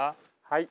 はい。